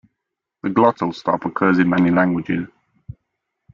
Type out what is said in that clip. The glottal stop occurs in many languages.